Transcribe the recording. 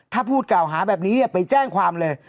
ถ้าพูดกล่าวหาแบบนี้ไปแจ้งความเลย